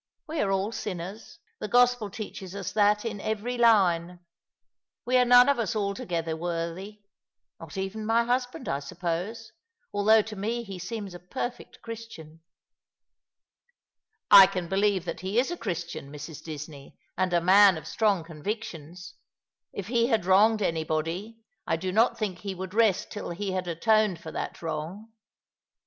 " We are all sinners. The Gospel teaches us that in every line ! We are none of us altogether worthy— not even my husband, I suppose, although to me he seems a perfect Christian." " I can believe that he is a Christian, Mrs. Disney, and a man of strong convictions. If he had wronged anybody, I do not think he would rest till he had atoned for that wrong."